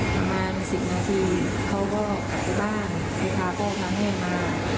ประมาณ๑๐นาทีเขาก็ไปบ้านพาแก้วแม่มา